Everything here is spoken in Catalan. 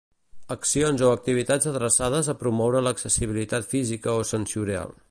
Accions o activitats adreçades a promoure l'accessibilitat física o sensorial.